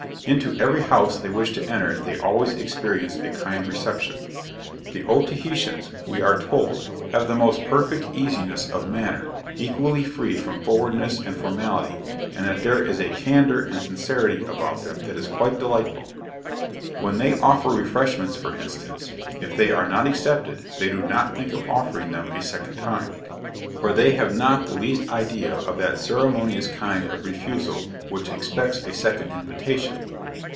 Into every house they wished to enter, they always experienced a kind reception. The Otaheitans, we are told, have the most perfect easiness of manner, equally free from forwardness and formality; and that 'there is a candour and sincerity about them that is quite delightful.' When they offer refreshments, for instance, if they are not accepted, they do not think of offering them a second time; for they have not the least idea of that ceremonious kind of refusal which expects a second invitation.